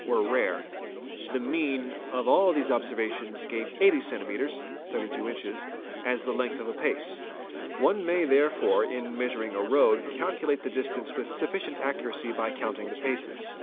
were rare. The mean of all these obser vations gave 80 cms. (32 in.) as the length of a pace. One may therefore in measuring a road calculate the distance with sufficient accuracy by _ counting the paces.